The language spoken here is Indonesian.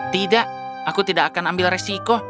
tidak aku tidak akan ambil resiko